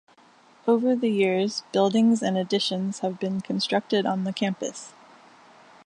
Over the years, buildings and additions have been constructed on the campus.